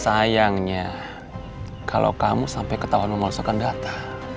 sayangnya kalau kamu sampai ketahuan memalsukan data